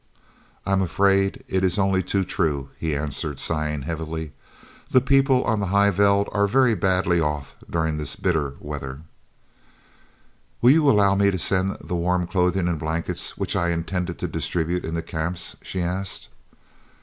"I am afraid it is only too true," he answered, sighing heavily. "The people on the High Veld are very badly off during this bitter weather." "Will you allow me to send the warm clothing and blankets which I intended to distribute in the Camps?" she asked.